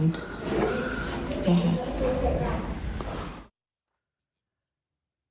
แอร์แหลก